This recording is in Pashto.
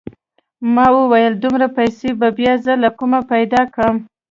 ما وويل دومره پيسې به بيا زه له کومه پيدا کم.